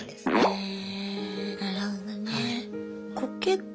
へえ。